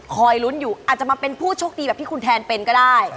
ลุ้นอยู่อาจจะมาเป็นผู้โชคดีแบบที่คุณแทนเป็นก็ได้